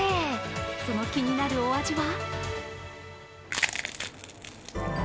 その気になるお味は？